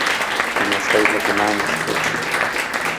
لمسی له ګلانو سره لوبې کوي.